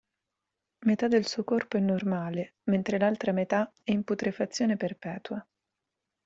Metà del suo corpo è normale, mentre l'altra metà è in putrefazione perpetua.